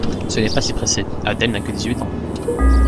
Ce n’est pas si pressé, Adèle n’a pas dix-huit ans.